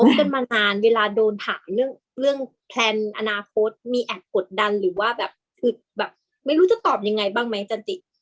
กันมานานเวลาโดนถามเรื่องแพลนอนาคตมีแอบกดดันหรือว่าแบบคือแบบไม่รู้จะตอบยังไงบ้างไหมจันจิ